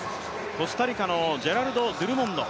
コスタリカのジェラルド・ドゥルモンド。